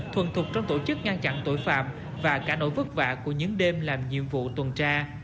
thuần thuộc trong tổ chức ngăn chặn tội phạm và cả nỗi vất vả của những đêm làm nhiệm vụ tuần tra